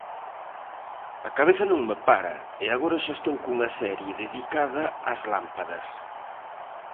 A cabeza non me para e agora xa estou cunha serie dedicada ás lámpadas.